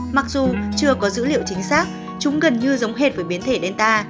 mặc dù chưa có dữ liệu chính xác chúng gần như giống hệt với biến thể delta